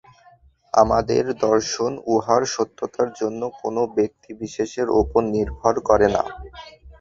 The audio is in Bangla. আমাদের দর্শন উহার সত্যতার জন্য কোন ব্যক্তিবিশেষের উপর নির্ভর করে না।